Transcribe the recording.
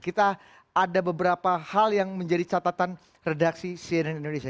kita ada beberapa hal yang menjadi catatan redaksi cnn indonesia